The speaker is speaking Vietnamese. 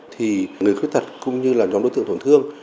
thì người khuyết tật cũng như là nhóm đối tượng tổn thương